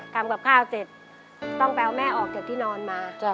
ทำกับข้าวเสร็จต้องไปเอาแม่ออกจากที่นอนมา